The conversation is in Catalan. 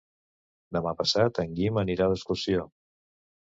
Demà passat en Guim anirà d'excursió.